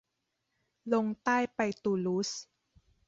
ลงใต้ไปตูลูส